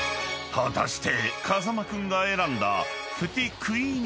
［果たして⁉］